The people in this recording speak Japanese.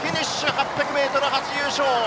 ８００ｍ初優勝です。